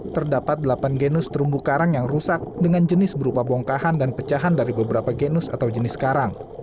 terdapat delapan genus terumbu karang yang rusak dengan jenis berupa bongkahan dan pecahan dari beberapa genus atau jenis karang